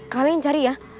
kalian cari ya